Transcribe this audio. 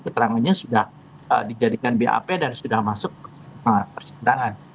keterangannya sudah dijadikan bap dan sudah masuk ke persidangan